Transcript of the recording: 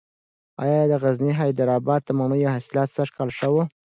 ایا د غزني د حیدر اباد د مڼو حاصلات سږکال ښه و؟